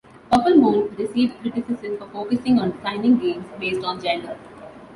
Purple Moon received criticism for focusing on designing games based on gender.